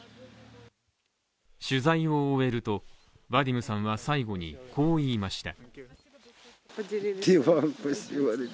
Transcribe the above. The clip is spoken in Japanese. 取材を終えると、ヴァディムさんは最後に、こう言いました。